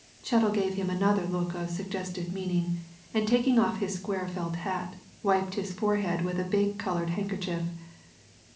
Chettle gave him another look of suggestive meaning, and taking off his square felt hat, wiped his forehead with a big coloured handkerchief.